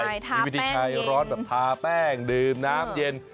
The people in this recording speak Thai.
มีวิธีใช้ร้อนแบบทาแป้งดื่มน้ำเย็น